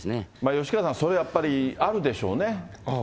吉川さん、それやっぱりあるでしょうね。